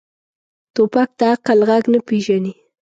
توپک د عقل غږ نه پېژني.